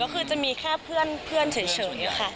คือจะมีแค่เพื่อนเฉยอยู่ค่ะ